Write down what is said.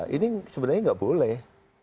ini sebenarnya tidak boleh